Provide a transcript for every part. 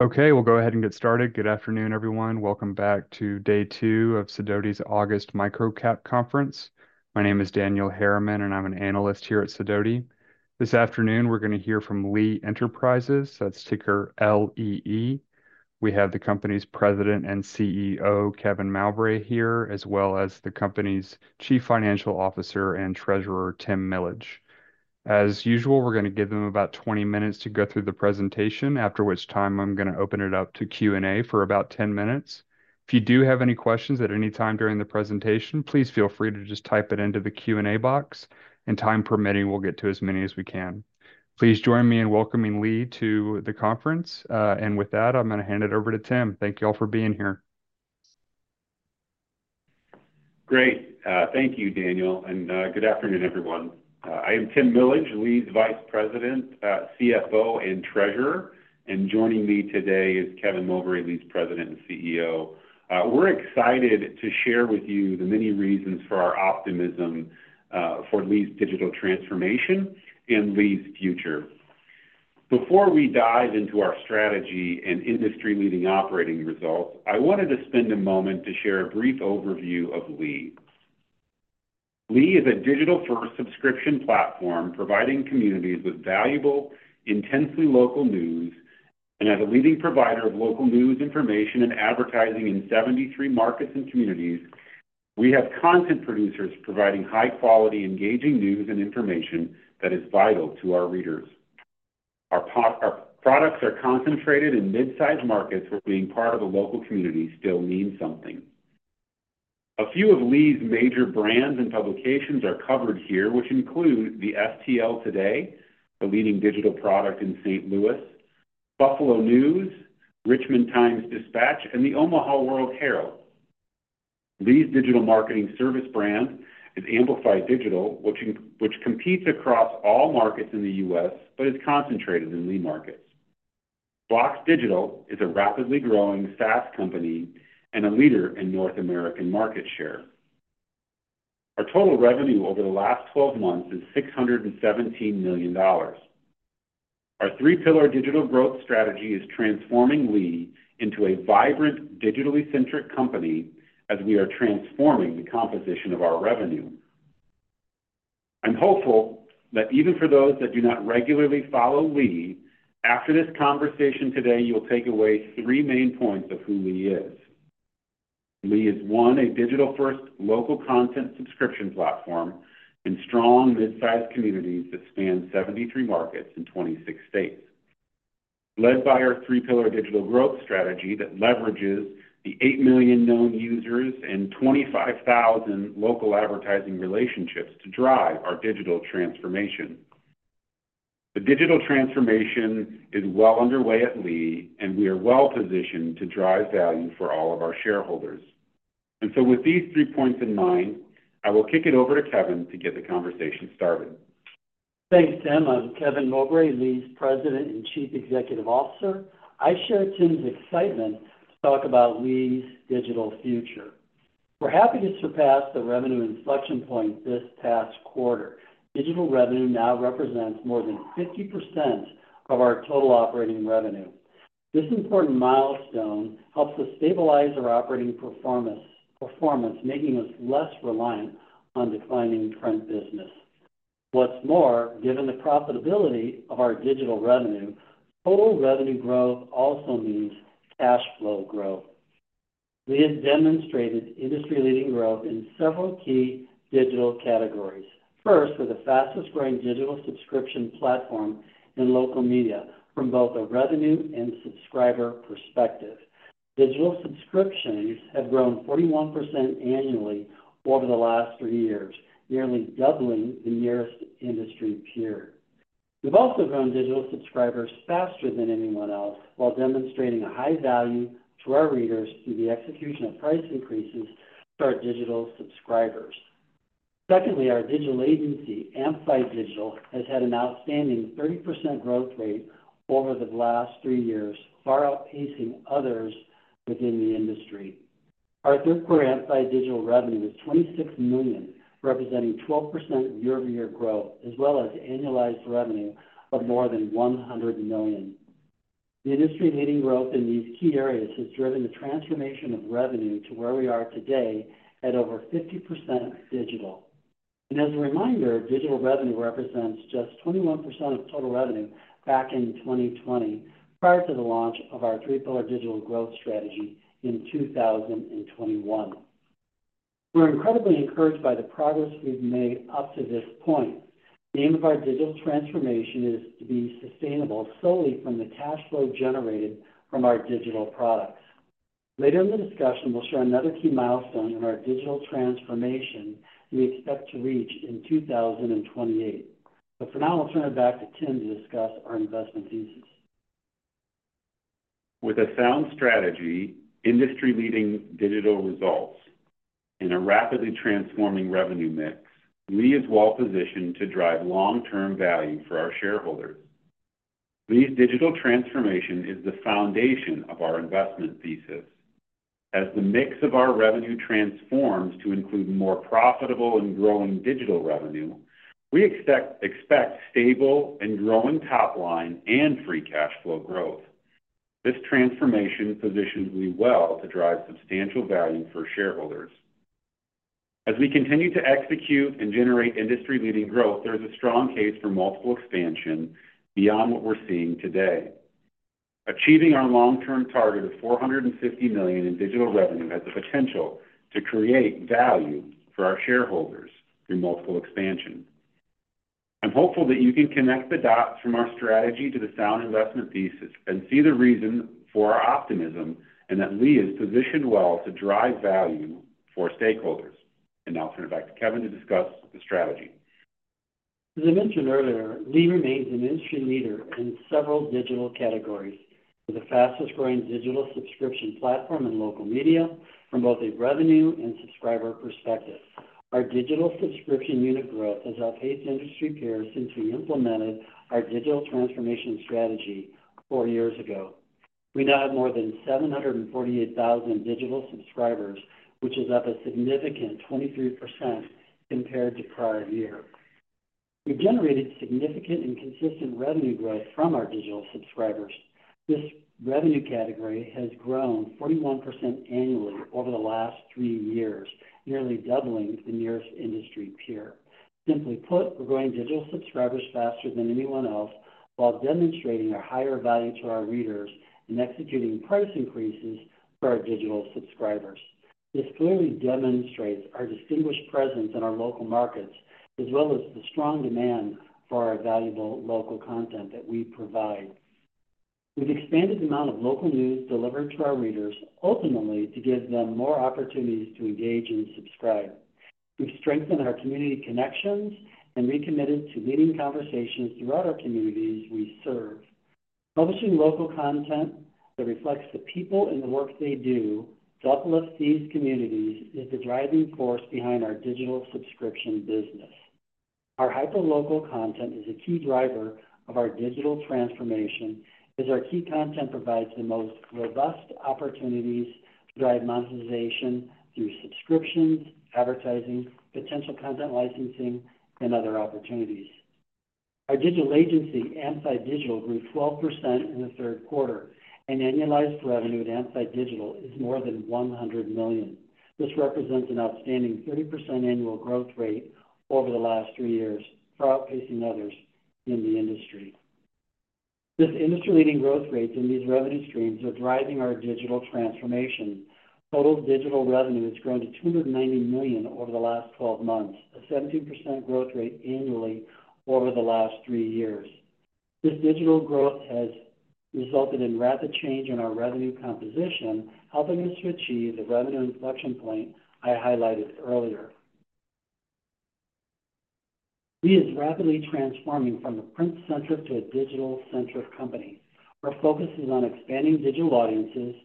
Okay, we'll go ahead and get started. Good afternoon, everyone. Welcome back to day 2 of Sidoti's August Microcap Conference. My name is Daniel Harriman, and I'm an analyst here at Sidoti. This afternoon, we're gonna hear from Lee Enterprises. That's ticker L-E-E. We have the company's President and CEO, Kevin Mowbray, here, as well as the company's Chief Financial Officer and Treasurer, Tim Millage. As usual, we're gonna give them about 20 minutes to go through the presentation, after which time I'm gonna open it up to Q&A for about 10 minutes. If you do have any questions at any time during the presentation, please feel free to just type it into the Q&A box, and time permitting, we'll get to as many as we can. Please join me in welcoming Lee to the conference. And with that, I'm gonna hand it over to Tim. Thank you all for being here. Great. Thank you, Daniel, and good afternoon, everyone. I am Tim Millage, Lee's Vice President, CFO, and Treasurer. Joining me today is Kevin Mowbray, Lee's President and CEO. We're excited to share with you the many reasons for our optimism for Lee's digital transformation and Lee's future. Before we dive into our strategy and industry-leading operating results, I wanted to spend a moment to share a brief overview of Lee. Lee is a digital-first subscription platform providing communities with valuable, intensely local news, and as a leading provider of local news, information, and advertising in 73 markets and communities, we have content producers providing high-quality, engaging news and information that is vital to our readers. Our products are concentrated in mid-sized markets, where being part of a local community still means something. A few of Lee's major brands and publications are covered here, which include the STLtoday, a leading digital product in St. Louis; Buffalo News, Richmond Times-Dispatch, and the Omaha World-Herald. Lee's digital marketing service brand is Amplify Digital, which competes across all markets in the U.S. but is concentrated in Lee markets. BLOX Digital is a rapidly growing SaaS company and a leader in North American market share. Our total revenue over the last 12 months is $617 million. Our three-pillar digital growth strategy is transforming Lee into a vibrant, digitally-centric company as we are transforming the composition of our revenue. I'm hopeful that even for those that do not regularly follow Lee, after this conversation today, you will take away three main points of who Lee is. Lee is, one, a digital-first local content subscription platform in strong mid-sized communities that span 73 markets in 26 states. Led by our 3-pillar digital growth strategy that leverages the 8 million known users and 25,000 local advertising relationships to drive our digital transformation. The digital transformation is well underway at Lee, and we are well-positioned to drive value for all of our shareholders. So with these 3 points in mind, I will kick it over to Kevin to get the conversation started. Thanks, Tim. I'm Kevin Mowbray, Lee's President and Chief Executive Officer. I share Tim's excitement to talk about Lee's digital future. We're happy to surpass the revenue inflection point this past quarter. Digital revenue now represents more than 50% of our total operating revenue. This important milestone helps us stabilize our operating performance, making us less reliant on declining trend business. What's more, given the profitability of our digital revenue, total revenue growth also means cash flow growth. We have demonstrated industry-leading growth in several key digital categories. First, we're the fastest-growing digital subscription platform in local media from both a revenue and subscriber perspective. Digital subscriptions have grown 41% annually over the last three years, nearly doubling the nearest industry peer. We've also grown digital subscribers faster than anyone else while demonstrating a high value to our readers through the execution of price increases to our digital subscribers. Secondly, our digital agency, Amplify Digital, has had an outstanding 30% growth rate over the last three years, far outpacing others within the industry. Our third quarter Amplify Digital revenue is $26 million, representing 12% year-over-year growth, as well as annualized revenue of more than $100 million. The industry-leading growth in these key areas has driven the transformation of revenue to where we are today at over 50% digital. And as a reminder, digital revenue represents just 21% of total revenue back in 2020, prior to the launch of our three-pillar digital growth strategy in 2021. We're incredibly encouraged by the progress we've made up to this point. The aim of our digital transformation is to be sustainable solely from the cash flow generated from our digital products. Later in the discussion, we'll share another key milestone in our digital transformation we expect to reach in 2028. For now, I'll turn it back to Tim to discuss our investment thesis. With a sound strategy, industry-leading digital results, and a rapidly transforming revenue mix, Lee is well positioned to drive long-term value for our shareholders. Lee's digital transformation is the foundation of our investment thesis.... As the mix of our revenue transforms to include more profitable and growing digital revenue, we expect stable and growing top line and free cash flow growth. This transformation positions Lee well to drive substantial value for shareholders. As we continue to execute and generate industry-leading growth, there is a strong case for multiple expansion beyond what we're seeing today. Achieving our long-term target of $450 million in digital revenue has the potential to create value for our shareholders through multiple expansion. I'm hopeful that you can connect the dots from our strategy to the sound investment thesis and see the reason for our optimism, and that Lee is positioned well to drive value for stakeholders. Now I'll turn it back to Kevin to discuss the strategy. As I mentioned earlier, Lee remains an industry leader in several digital categories, with the fastest-growing digital subscription platform in local media from both a revenue and subscriber perspective. Our digital subscription unit growth has outpaced industry peers since we implemented our digital transformation strategy four years ago. We now have more than 748,000 digital subscribers, which is up a significant 23% compared to prior year. We've generated significant and consistent revenue growth from our digital subscribers. This revenue category has grown 41% annually over the last three years, nearly doubling the nearest industry peer. Simply put, we're growing digital subscribers faster than anyone else, while demonstrating a higher value to our readers and executing price increases for our digital subscribers. This clearly demonstrates our distinguished presence in our local markets, as well as the strong demand for our valuable local content that we provide. We've expanded the amount of local news delivered to our readers, ultimately, to give them more opportunities to engage and subscribe. We've strengthened our community connections and recommitted to leading conversations throughout our communities we serve. Publishing local content that reflects the people and the work they do to uplift these communities is the driving force behind our digital subscription business. Our hyperlocal content is a key driver of our digital transformation, as our key content provides the most robust opportunities to drive monetization through subscriptions, advertising, potential content licensing, and other opportunities. Our digital agency, Amplify Digital, grew 12% in the third quarter, and annualized revenue at Amplify Digital is more than $100 million. This represents an outstanding 30% annual growth rate over the last three years, far outpacing others in the industry. These industry-leading growth rates in these revenue streams are driving our digital transformation. Total digital revenue has grown to $290 million over the last 12 months, a 17% growth rate annually over the last three years. This digital growth has resulted in rapid change in our revenue composition, helping us to achieve the revenue inflection point I highlighted earlier. Lee is rapidly transforming from a print-centric to a digital-centric company. Our focus is on expanding digital audiences,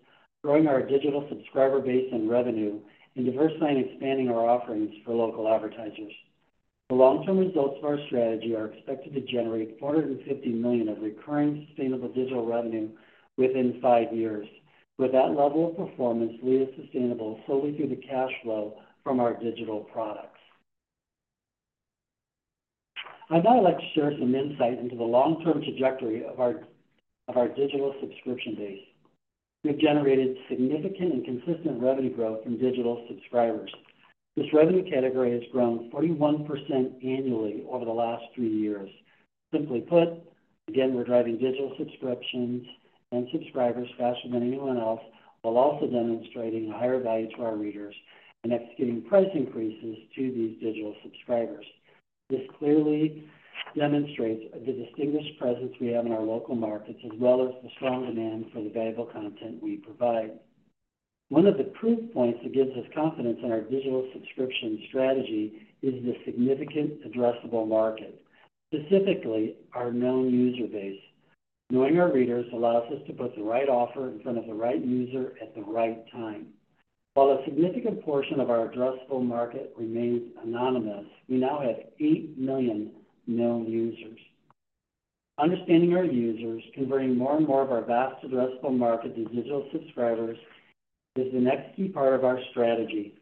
growing our digital subscriber base and revenue, and diversifying expanding our offerings for local advertisers. The long-term results of our strategy are expected to generate $450 million of recurring sustainable digital revenue within five years. With that level of performance, Lee is sustainable solely through the cash flow from our digital products. I'd now like to share some insight into the long-term trajectory of our digital subscription base. We've generated significant and consistent revenue growth from digital subscribers. This revenue category has grown 41% annually over the last three years. Simply put, again, we're driving digital subscriptions and subscribers faster than anyone else, while also demonstrating a higher value to our readers and executing price increases to these digital subscribers. This clearly demonstrates the distinguished presence we have in our local markets, as well as the strong demand for the valuable content we provide. One of the proof points that gives us confidence in our digital subscription strategy is the significant addressable market, specifically our known user base. Knowing our readers allows us to put the right offer in front of the right user at the right time. While a significant portion of our addressable market remains anonymous, we now have 8 million known users. Understanding our users, converting more and more of our vast addressable market to digital subscribers is the next key part of our strategy.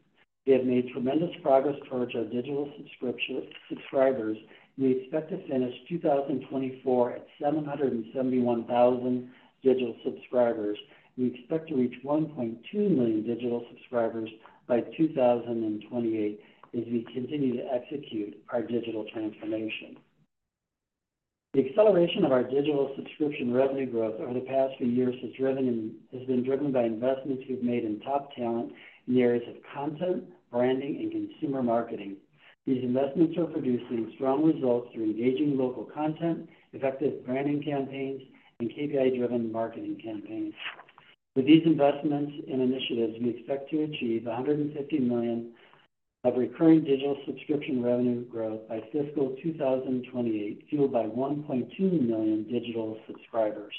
We have made tremendous progress towards our digital subscription subscribers. We expect to finish 2024 at 771,000 digital subscribers. We expect to reach 1.2 million digital subscribers by 2028 as we continue to execute our digital transformation. The acceleration of our digital subscription revenue growth over the past few years has been driven by investments we've made in top talent in the areas of content, branding, and consumer marketing. These investments are producing strong results through engaging local content, effective branding campaigns, and KPI-driven marketing campaigns. With these investments and initiatives, we expect to achieve $150 million of recurring digital subscription revenue growth by fiscal 2028, fueled by 1.2 million digital subscribers.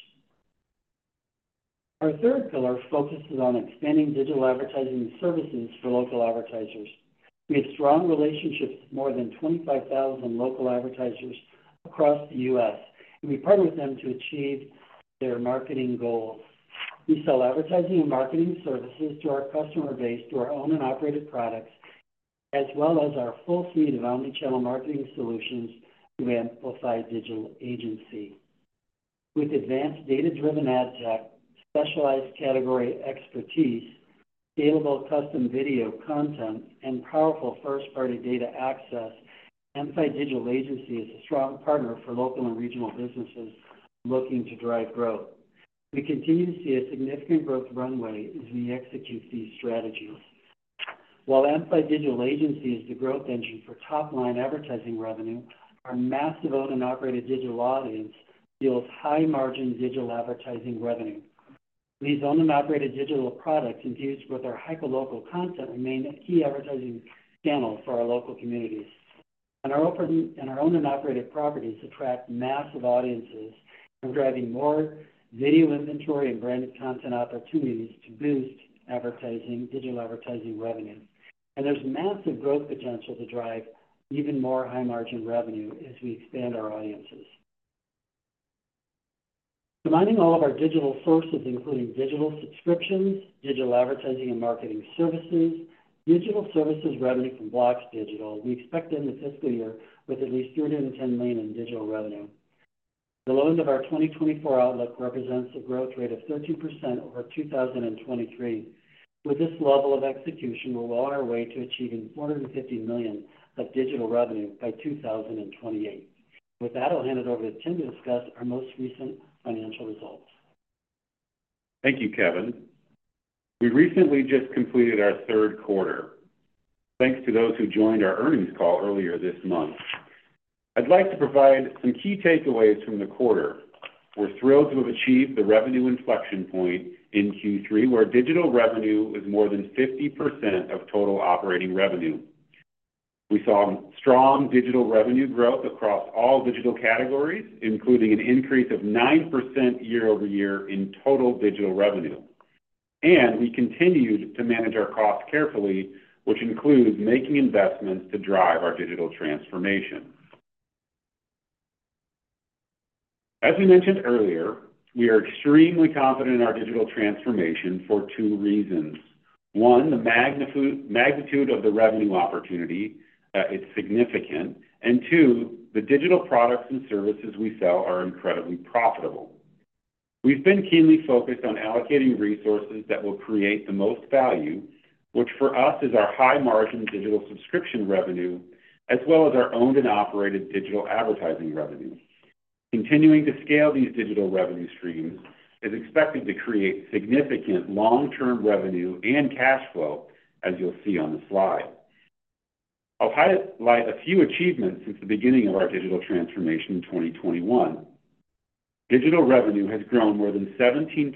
Our third pillar focuses on expanding digital advertising services for local advertisers. We have strong relationships with more than 25,000 local advertisers across the U.S., and we partner with them to achieve their marketing goals. We sell advertising and marketing services to our customer base, through our owned and operated products, as well as our full suite of omnichannel marketing solutions through Amplify Digital Agency. With advanced data-driven ads, specialized category expertise, scalable custom video content, and powerful first-party data access, Amplify Digital Agency is a strong partner for local and regional businesses looking to drive growth. We continue to see a significant growth runway as we execute these strategies. While Amplify Digital Agency is the growth engine for top-line advertising revenue, our massive owned and operated digital audience yields high-margin digital advertising revenue. These owned and operated digital products, infused with our hyperlocal content, remain a key advertising channel for our local communities. And our owned and operated properties attract massive audiences and are driving more video inventory and branded content opportunities to boost advertising, digital advertising revenue. And there's massive growth potential to drive even more high-margin revenue as we expand our audiences. Combining all of our digital sources, including digital subscriptions, digital advertising and marketing services, digital services revenue from BLOX Digital, we expect to end the fiscal year with at least $310 million in digital revenue. The lows of our 2024 outlook represents a growth rate of 13% over 2023. With this level of execution, we're well on our way to achieving $450 million of digital revenue by 2028. With that, I'll hand it over to Tim to discuss our most recent financial results. Thank you, Kevin. We recently just completed our third quarter. Thanks to those who joined our earnings call earlier this month. I'd like to provide some key takeaways from the quarter. We're thrilled to have achieved the revenue inflection point in Q3, where digital revenue is more than 50% of total operating revenue. We saw strong digital revenue growth across all digital categories, including an increase of 9% year-over-year in total digital revenue. We continued to manage our costs carefully, which includes making investments to drive our digital transformation. As we mentioned earlier, we are extremely confident in our digital transformation for two reasons. One, the magnitude of the revenue opportunity is significant. And two, the digital products and services we sell are incredibly profitable. We've been keenly focused on allocating resources that will create the most value, which for us is our high-margin digital subscription revenue, as well as our owned and operated digital advertising revenue. Continuing to scale these digital revenue streams is expected to create significant long-term revenue and cash flow, as you'll see on the slide. I'll highlight a few achievements since the beginning of our digital transformation in 2021. Digital revenue has grown more than 17%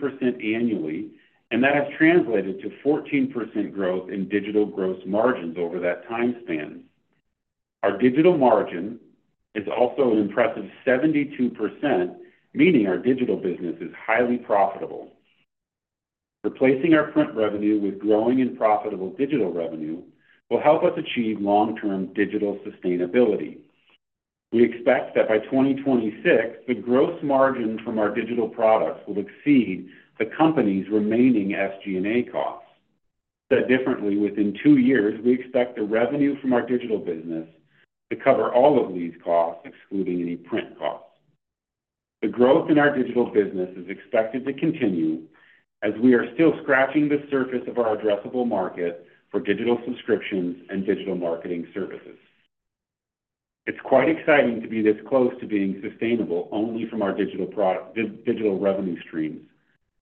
annually, and that has translated to 14% growth in digital gross margins over that time span. Our digital margin is also an impressive 72%, meaning our digital business is highly profitable. Replacing our print revenue with growing and profitable digital revenue will help us achieve long-term digital sustainability. We expect that by 2026, the gross margin from our digital products will exceed the company's remaining SG&A costs. Said differently, within two years, we expect the revenue from our digital business to cover all of these costs, excluding any print costs. The growth in our digital business is expected to continue as we are still scratching the surface of our addressable market for digital subscriptions and digital marketing services. It's quite exciting to be this close to being sustainable only from our digital product... digital revenue streams.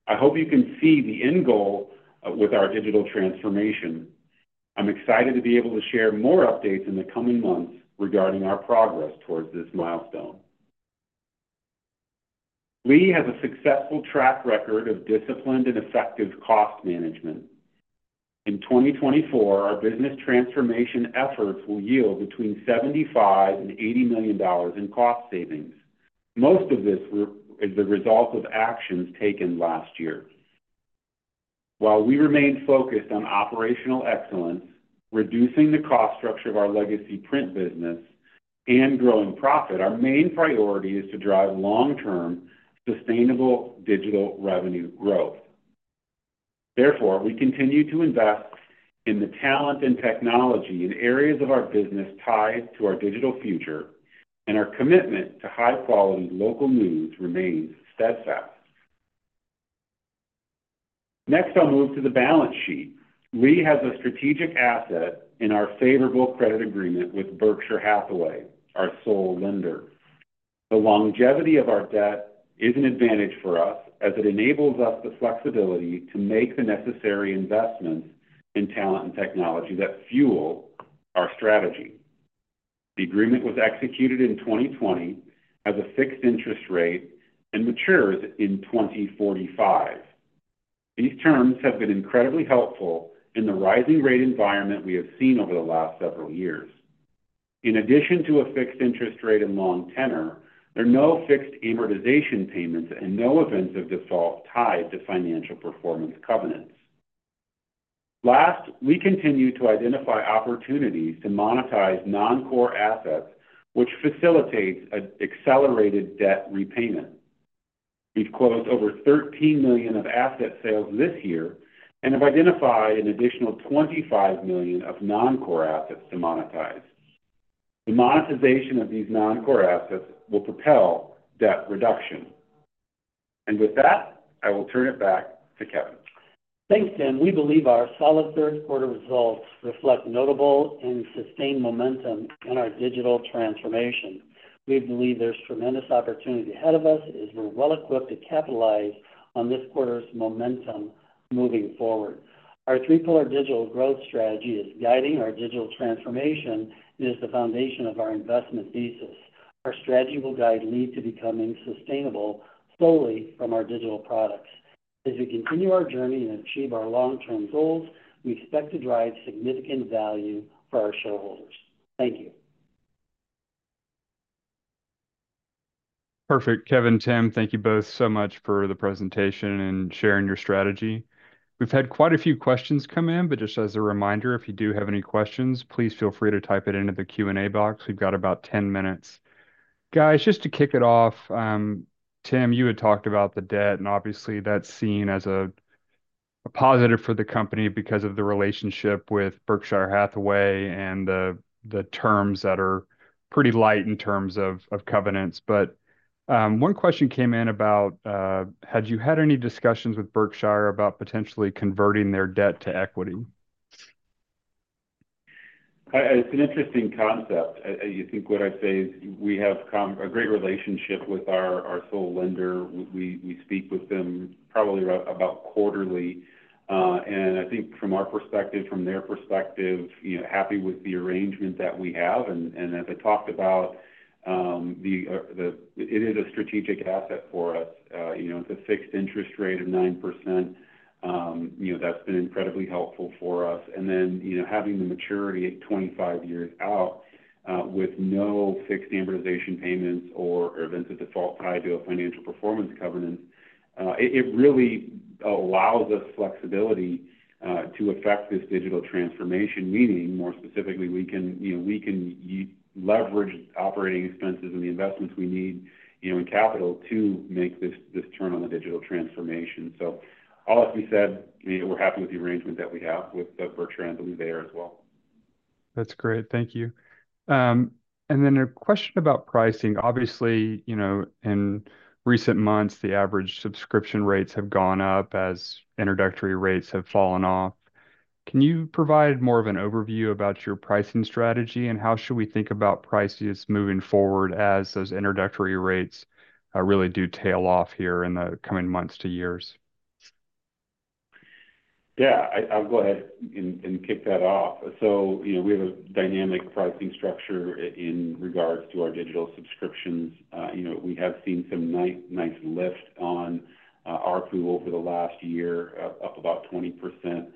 I hope you can see the end goal with our digital transformation. I'm excited to be able to share more updates in the coming months regarding our progress towards this milestone. Lee has a successful track record of disciplined and effective cost management. In 2024, our business transformation efforts will yield between $75 million and $80 million in cost savings. Most of this is the result of actions taken last year. While we remain focused on operational excellence, reducing the cost structure of our legacy print business and growing profit, our main priority is to drive long-term, sustainable digital revenue growth. Therefore, we continue to invest in the talent and technology in areas of our business tied to our digital future, and our commitment to high-quality local news remains steadfast. Next, I'll move to the balance sheet. Lee has a strategic asset in our favorable credit agreement with Berkshire Hathaway, our sole lender. The longevity of our debt is an advantage for us, as it enables us the flexibility to make the necessary investments in talent and technology that fuel our strategy. The agreement was executed in 2020, has a fixed interest rate, and matures in 2045. These terms have been incredibly helpful in the rising rate environment we have seen over the last several years.... In addition to a fixed interest rate and long tenor, there are no fixed amortization payments and no events of default tied to financial performance covenants. Last, we continue to identify opportunities to monetize non-core assets, which facilitates an accelerated debt repayment. We've closed over $13 million of asset sales this year, and have identified an additional $25 million of non-core assets to monetize. The monetization of these non-core assets will propel debt reduction. And with that, I will turn it back to Kevin. Thanks, Tim. We believe our solid third quarter results reflect notable and sustained momentum in our digital transformation. We believe there's tremendous opportunity ahead of us, as we're well-equipped to capitalize on this quarter's momentum moving forward. Our three-pillar digital growth strategy is guiding our digital transformation, and is the foundation of our investment thesis. Our strategy will guide lee to becoming sustainable solely from our digital products. As we continue our journey and achieve our long-term goals, we expect to drive significant value for our shareholders. Thank you. Perfect. Kevin, Tim, thank you both so much for the presentation and sharing your strategy. We've had quite a few questions come in, but just as a reminder, if you do have any questions, please feel free to type it into the Q&A box. We've got about 10 minutes. Guys, just to kick it off, Tim, you had talked about the debt, and obviously, that's seen as a positive for the company because of the relationship with Berkshire Hathaway and the terms that are pretty light in terms of covenants. But, one question came in about had you had any discussions with Berkshire about potentially converting their debt to equity? It's an interesting concept. I think what I'd say is we have a great relationship with our sole lender. We speak with them probably around about quarterly. And I think from our perspective, from their perspective, you know, happy with the arrangement that we have. And as I talked about, it is a strategic asset for us. You know, it's a fixed interest rate of 9%, you know, that's been incredibly helpful for us. And then, you know, having the maturity at 25 years out, with no fixed amortization payments or events of default tied to a financial performance covenant, it really allows us flexibility to affect this digital transformation. Meaning, more specifically, we can, you know, we can leverage operating expenses and the investments we need, you know, and capital to make this, this turn on the digital transformation. So all else we said, we're happy with the arrangement that we have with, Berkshire, and I believe they are as well. That's great. Thank you. And then a question about pricing. Obviously, you know, in recent months, the average subscription rates have gone up as introductory rates have fallen off. Can you provide more of an overview about your pricing strategy, and how should we think about prices moving forward as those introductory rates really do tail off here in the coming months to years? Yeah, I'll go ahead and kick that off. So, you know, we have a dynamic pricing structure in regards to our digital subscriptions. You know, we have seen some nice lift on ARPU over the last year, up about 20%,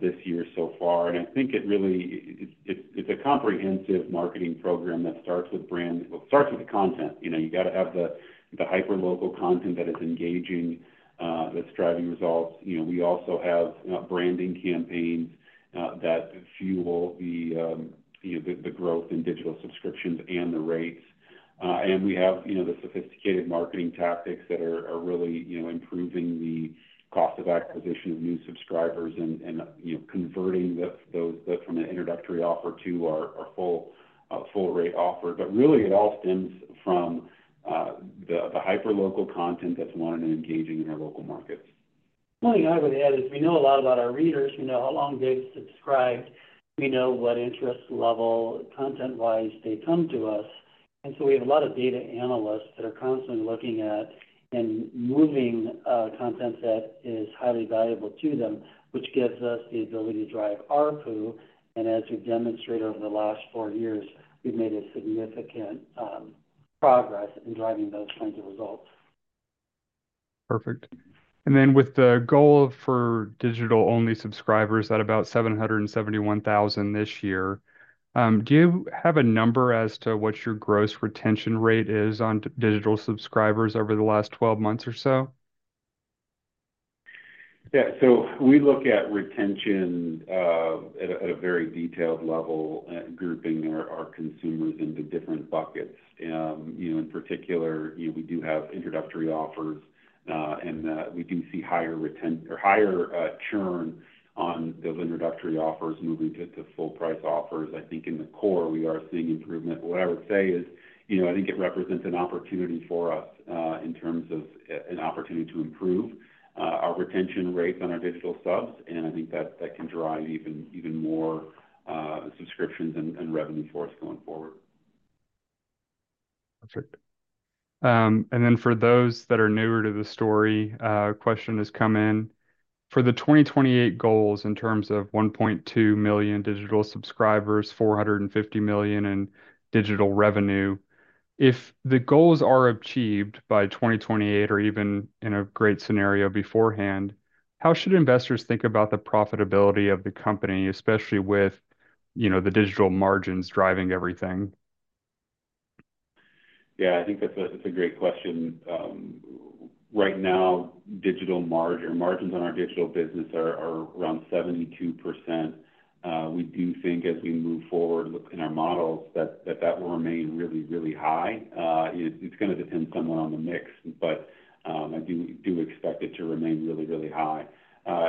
this year so far. And I think it really... It's a comprehensive marketing program that starts with brand. Well, it starts with the content. You know, you got to have the hyperlocal content that is engaging, that's driving results. You know, we also have branding campaigns that fuel the growth in digital subscriptions and the rates. And we have, you know, the sophisticated marketing tactics that are really, you know, improving the cost of acquisition of new subscribers and, you know, converting those from an introductory offer to our full rate offer. But really, it all stems from the hyperlocal content that's wanted and engaging in our local markets. One thing I would add is, we know a lot about our readers. We know how long they've subscribed, we know what interest level, content-wise, they come to us, and so we have a lot of data analysts that are constantly looking at and moving content that is highly valuable to them, which gives us the ability to drive ARPU, and as we've demonstrated over the last four years, we've made a significant progress in driving those kinds of results. Perfect. And then, with the goal for digital-only subscribers at about 771,000 this year, do you have a number as to what your gross retention rate is on digital subscribers over the last 12 months or so? Yeah. So we look at retention at a very detailed level, grouping our consumers into different buckets. You know, in particular, we do have introductory offers, and we do see higher retention or higher churn on those introductory offers moving to full-price offers. I think in the core, we are seeing improvement. What I would say is, you know, I think it represents an opportunity for us, in terms of an opportunity to improve our retention rates on our digital subs, and I think that can drive even more subscriptions and revenue for us going forward. Perfect. And then for those that are newer to the story, a question has come in. For the 2028 goals, in terms of 1.2 million digital subscribers, $450 million in digital revenue, if the goals are achieved by 2028, or even in a great scenario beforehand... How should investors think about the profitability of the company, especially with, you know, the digital margins driving everything? Yeah, I think that's a great question. Right now, digital margins on our digital business are around 72%. We do think as we move forward looking in our models, that will remain really high. It's gonna depend somewhere on the mix, but I do expect it to remain really high.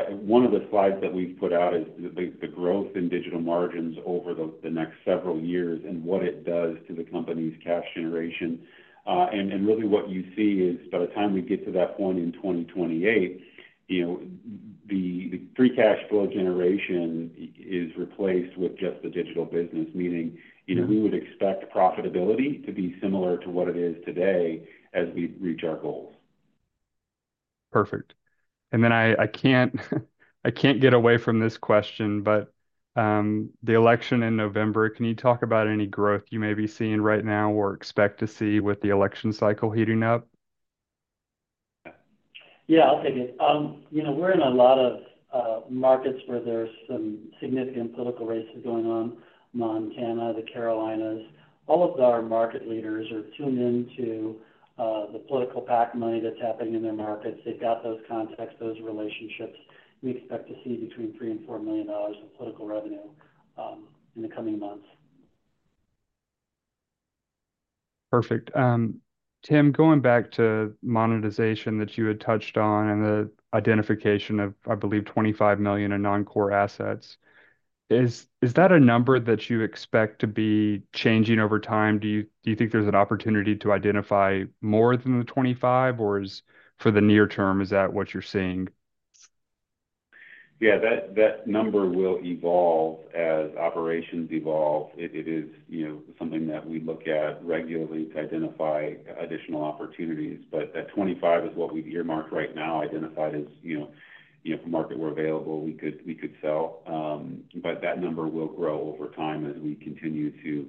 One of the slides that we've put out is the growth in digital margins over the next several years and what it does to the company's cash generation. And really what you see is, by the time we get to that point in 2028, you know, the free cash flow generation is replaced with just the digital business, meaning, you know, we would expect profitability to be similar to what it is today as we reach our goals. Perfect. And then I can't get away from this question, but the election in November, can you talk about any growth you may be seeing right now or expect to see with the election cycle heating up? Yeah, I'll take it. You know, we're in a lot of markets where there's some significant political races going on, Montana, the Carolinas. All of our market leaders are tuned into the political PAC money that's happening in their markets. They've got those contacts, those relationships. We expect to see between $3 million and $4 million in political revenue in the coming months. Perfect. Tim, going back to monetization that you had touched on and the identification of, I believe, $25 million in non-core assets, is that a number that you expect to be changing over time? Do you think there's an opportunity to identify more than the 25, or is for the near term, is that what you're seeing? Yeah, that number will evolve as operations evolve. It is, you know, something that we look at regularly to identify additional opportunities. But that 25 is what we've earmarked right now, identified as, you know, if market were available, we could sell. But that number will grow over time as we continue to,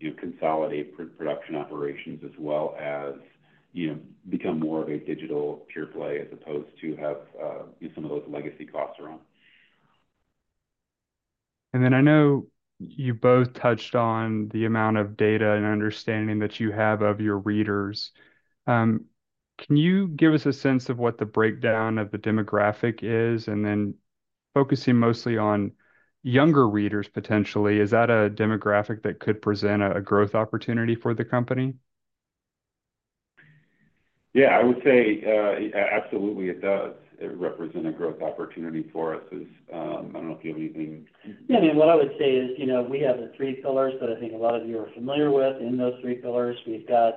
you know, consolidate production operations as well as, you know, become more of a digital pure play, as opposed to have some of those legacy costs around. And then I know you both touched on the amount of data and understanding that you have of your readers. Can you give us a sense of what the breakdown of the demographic is? And then focusing mostly on younger readers, potentially, is that a demographic that could present a growth opportunity for the company? Yeah, I would say, absolutely, it does. It represent a growth opportunity for us is, I don't know if you have anything. Yeah, I mean, what I would say is, you know, we have the three pillars that I think a lot of you are familiar with. In those three pillars, we've got,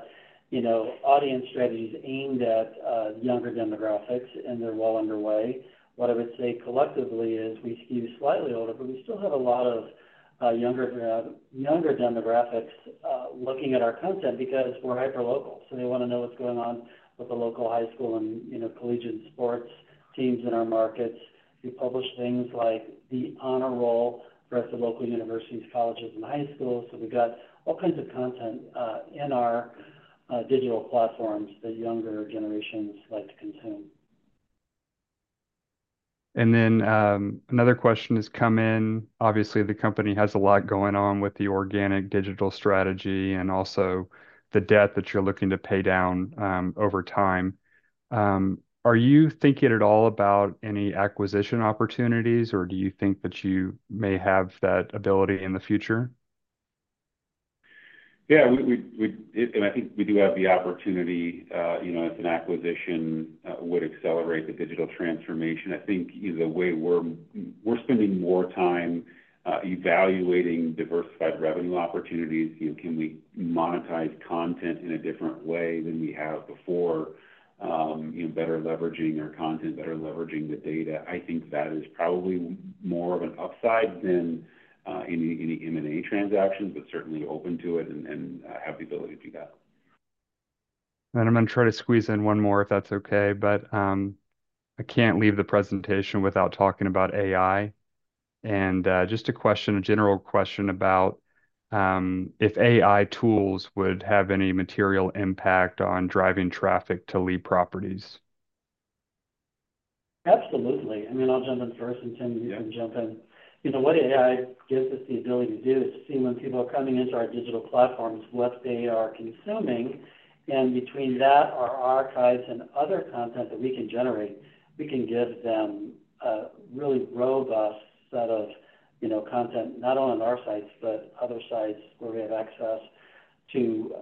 you know, audience strategies aimed at younger demographics, and they're well underway. What I would say collectively is we skew slightly older, but we still have a lot of younger younger demographics looking at our content because we're hyper-local, so they wanna know what's going on with the local high school and, you know, collegiate sports teams in our markets. We publish things like the honor roll for us, the local universities, colleges, and high schools. So we've got all kinds of content in our digital platforms that younger generations like to consume. Then, another question has come in. Obviously, the company has a lot going on with the organic digital strategy and also the debt that you're looking to pay down, over time. Are you thinking at all about any acquisition opportunities, or do you think that you may have that ability in the future? Yeah. And I think we do have the opportunity, you know, as an acquisition would accelerate the digital transformation. I think the way we're spending more time evaluating diversified revenue opportunities. You know, can we monetize content in a different way than we have before? Better leveraging our content, better leveraging the data. I think that is probably more of an upside than any M&A transactions, but certainly open to it, and have the ability to do that. And I'm gonna try to squeeze in one more, if that's okay. But, I can't leave the presentation without talking about AI. And, just a question, a general question about, if AI tools would have any material impact on driving traffic to Lee properties? Absolutely. I mean, I'll jump in first, and Tim, you can jump in. You know, what AI gives us the ability to do is to see when people are coming into our digital platforms, what they are consuming, and between that, our archives and other content that we can generate, we can give them a really robust set of, you know, content, not only on our sites, but other sites where we have access to,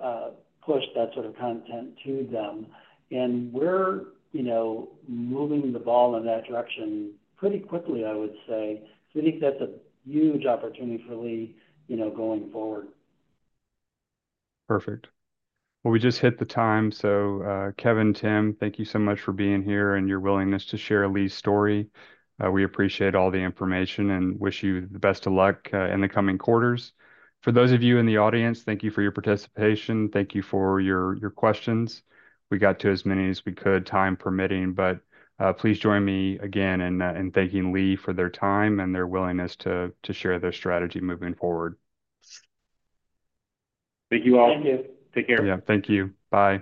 push that sort of content to them. And we're, you know, moving the ball in that direction pretty quickly, I would say. So we think that's a huge opportunity for Lee, you know, going forward. Perfect. Well, we just hit the time. So, Kevin, Tim, thank you so much for being here and your willingness to share Lee's story. We appreciate all the information and wish you the best of luck in the coming quarters. For those of you in the audience, thank you for your participation. Thank you for your questions. We got to as many as we could, time permitting, but please join me again in thanking Lee for their time and their willingness to share their strategy moving forward. Thank you all. Thank you. Take care. Yeah, thank you. Bye.